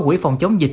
quỹ phòng chống dịch